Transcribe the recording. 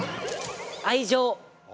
愛情？